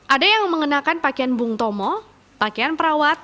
ada yang mengenakan pakaian bungtomo pakaian perawat